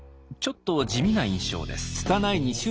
ちょっと地味な印象です。